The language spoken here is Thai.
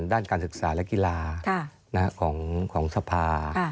ด้านการศึกษาและกีฬาของสภา